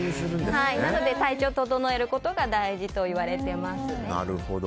なので体調を整えることが大事といわれてます。